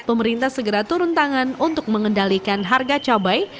pemerintah segera turun tangan untuk mengendalikan harga cabai